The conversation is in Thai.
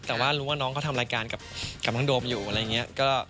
แต่ว่ารู้ว่าน้องเขาทำรายการกับน้องโดมอยู่อะไรอย่างนี้